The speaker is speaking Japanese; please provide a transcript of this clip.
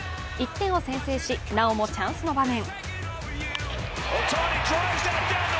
１点を先制しなおもチャンスの場面。